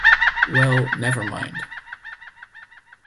Well never mind.